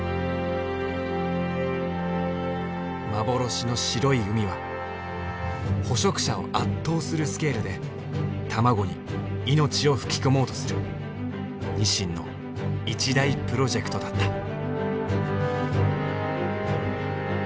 幻の白い海は捕食者を圧倒するスケールで卵に命を吹き込もうとするニシンの一大プロジェクトだった。